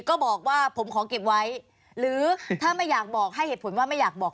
ก็บอกว่าผมขอเก็บไว้หรือถ้าไม่อยากบอกให้เหตุผลว่าไม่อยากบอก